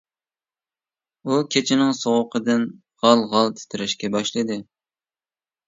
ئۇ كېچىنىڭ سوغۇقىدىن غال-غال تىترەشكە باشلىدى.